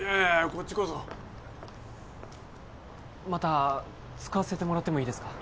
こっちこそまた使わせてもらってもいいですか？